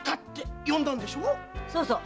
そうそう。